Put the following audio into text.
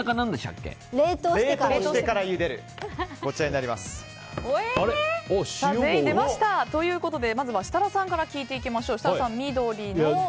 冷凍してからゆでる。ということで、まずは設楽さんから聞いていきましょう。